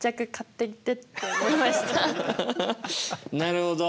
なるほど。